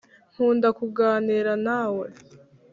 nkunda kuganira nawe